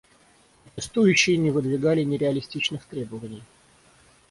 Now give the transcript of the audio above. Протестующие не выдвигали нереалистичных требований.